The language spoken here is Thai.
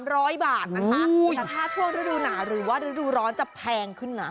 แต่ถ้าช่วงฤดูหนาวหรือว่าฤดูร้อนจะแพงขึ้นนะ